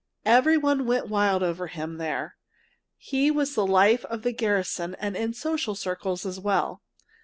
Every one went wild over him there. He was the life of the garrison and in social circles as well.